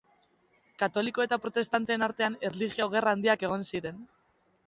Katoliko eta protestanteen artean erlijio-gerra handiak egon ziren.